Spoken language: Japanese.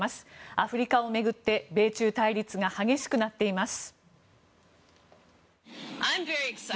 アフリカを巡って米中対立が激しくなっています。